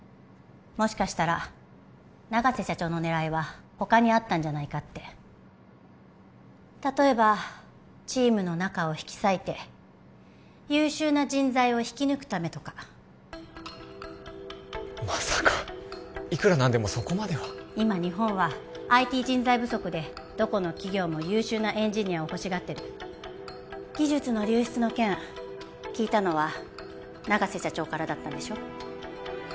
もしかしたら永瀬社長の狙いは他にあったんじゃないかって例えばチームの仲を引き裂いて優秀な人材を引き抜くためとかまさかいくら何でもそこまでは今日本はＩＴ人材不足でどこの企業も優秀なエンジニアを欲しがってる技術の流出の件聞いたのは永瀬社長からだったんでしょ？